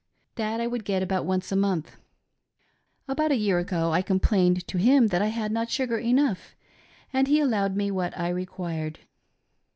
That I would get about once a month. About a year ago I complained to him that I had not sugar enough and he allowed me what I required.